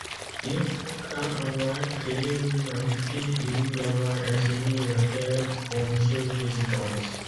Ils proclament avoir créer l'humanité et lui avoir assigné la Terre comme seule résidence.